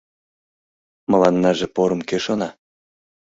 Мыланнаже порым кӧ шона?